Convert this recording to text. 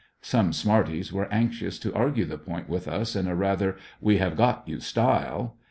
Some sm_art ies were anxious to argue the point with us in a rather "we have got you" style.